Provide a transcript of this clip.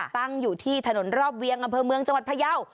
ตั้งอยู่ที่ถนนรอบเวียงอำเภอเมืองจังหวัดพยาว